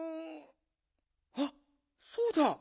あっそうだ。